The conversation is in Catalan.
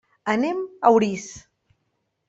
Anem a Orís.